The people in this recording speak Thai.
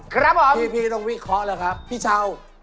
ครับผมพี่ต้องวิเคราะห์แล้วครับพี่เช้า